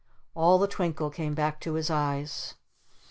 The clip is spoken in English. All the twinkle came back to his eyes.